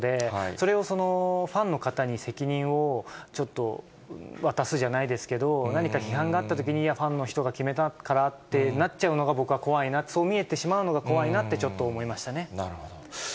それをファンの方に責任をちょっと渡すじゃないですけど、何か批判があったときに、いや、ファンの人が決めたからってなっちゃうのが、僕は怖いなと、そう見えてしまうのが怖いなって、なるほど。